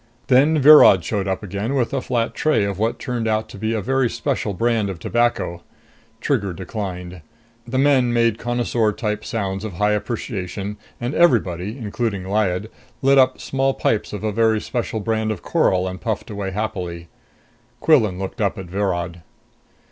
Then Virod showed up again with a flat tray of what turned out to be a very special brand of tobacco. Trigger declined. The men made connoisseur type sounds of high appreciation, and everybody, including Lyad, lit up small pipes of a very special brand of coral and puffed away happily. Quillan looked up at Virod.